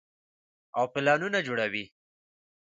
او پلانونه جوړوي -